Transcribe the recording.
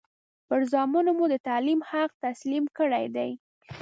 پر زامنو مو د تعلیم حق تسلیم کړی دی.